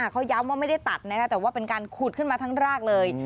เขาย้ำว่าไม่ได้ตัดนะคะแต่ว่าเป็นการขุดขึ้นมาทั้งรากเลย